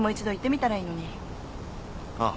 ああ。